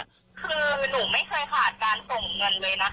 คือหนูไม่เคยผ่านการส่งเงินเลยนะคะพี่หลักฐานการส่งเงินหนูมีทุกอย่าง